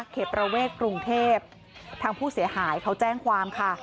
ประเวทกรุงเทพทางผู้เสียหายเขาแจ้งความค่ะ